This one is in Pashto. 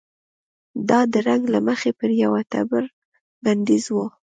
دا د رنګ له مخې پر یوه ټبر بندیز و.